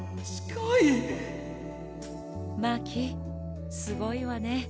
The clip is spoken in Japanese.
マーキーすごいわね。